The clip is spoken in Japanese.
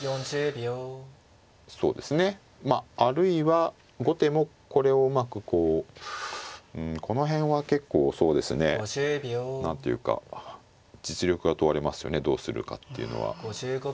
そうですねまああるいは後手もこれをうまくこうこの辺は結構そうですね何ていうか実力が問われますよねどうするかっていうのは。